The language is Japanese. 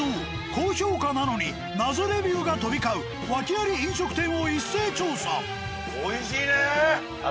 高評価なのに謎レビューが飛び交う訳あり飲食店を一斉調査。